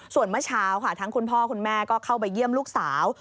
ส่วนเมื่อเช้าค่ะทั้งคุณพ่อคุณแม่ก็เข้าไปเยี่ยมลูกสาว